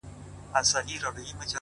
د خپلي ژبي په بلا ـ